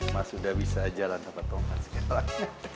mas udah bisa jalan sama tongkat sekarang